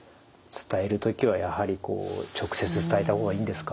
伝える時はやはり直接伝えた方がいいんですか？